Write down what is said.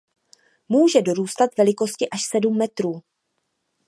Může dorůstat velikosti až sedm metrů.